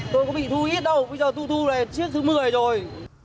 tôi có bị thu ít đâu bây giờ tôi thu là chiếc thứ một mươi rồi